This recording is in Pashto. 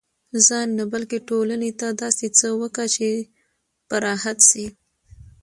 ځان نه، بلکي ټولني ته داسي څه وکه، چي په راحت سي.